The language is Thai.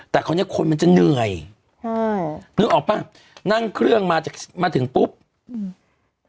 แต่คราวเนี้ยคนมันจะเหนื่อยใช่นึกออกป่ะนั่งเครื่องมาจากมาถึงปุ๊บอืม